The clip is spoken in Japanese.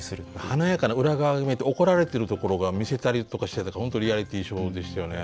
華やかな裏側が見えて怒られてるところが見せたりとかしてたから本当リアリティーショーでしたよね。